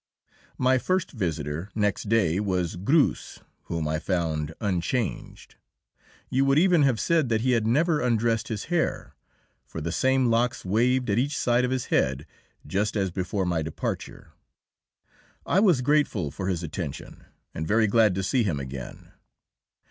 My first visitor, next day, was Greuze, whom I found unchanged. You would even have said that he had never undressed his hair, for the same locks waved at each side of his head just as before my departure. I was grateful for his attention, and very glad to see him again.